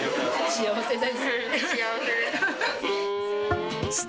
幸せです。